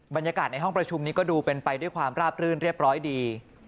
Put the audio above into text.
บรรยากาศในห้องประชุมนี้ก็ดูเป็นไปด้วยความราบรื่นเรียบร้อยดี